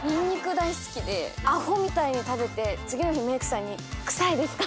アホみたいに食べて次の日メークさんに臭いですか？